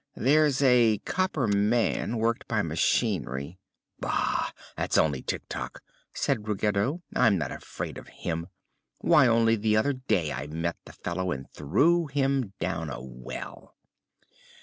There's a copper man, worked by machinery " "Bah! that's only Tik Tok," said Ruggedo. "I'm not afraid of him. Why, only the other day I met the fellow and threw him down a well."